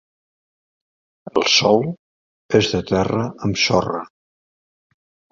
El sòl és de terra amb sorra.